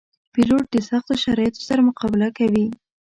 پیلوټ د سختو شرایطو سره مقابله کوي.